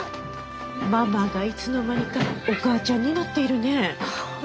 「ママ」がいつの間にか「お母ちゃん」になっているね。